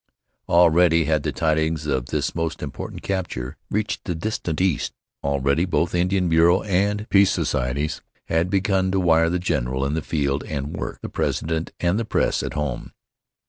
Already had the tidings of this most important capture reached the distant East. Already both Indian Bureau and Peace Societies had begun to wire the general in the field and "work" the President and the Press at home.